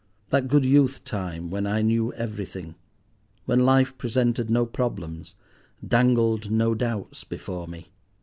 That good youth time when I knew everything, when life presented no problems, dangled no doubts before me!